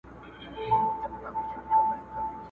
شپه او ورځ یې پر خپل ځان باندي یوه کړه.!